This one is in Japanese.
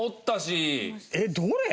えっどれ？